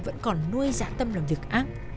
vẫn còn nuôi dã tâm làm việc ác